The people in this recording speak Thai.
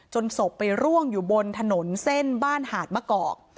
ศพไปร่วงอยู่บนถนนเส้นบ้านหาดมะกอก